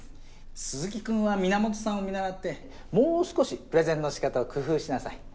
鈴木君は皆本さんを見習ってもう少しプレゼンの仕方を工夫しなさい。